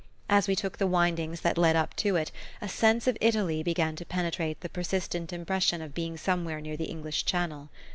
As we took the windings that led up to it a sense of Italy began to penetrate the persistent impression of being somewhere near the English Channel.